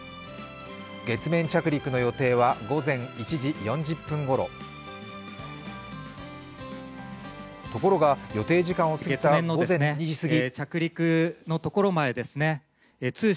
月面着陸の予定は午前１時４０分ごろところが、予定時間をすぎた午前２時すぎ。